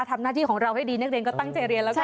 ทำหน้าที่ของเราให้ดีนักเรียนก็ตั้งใจเรียนแล้วกัน